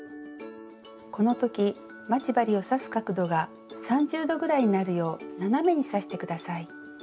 この時待ち針を刺す角度が３０度ぐらいになるよう斜めに刺して下さい。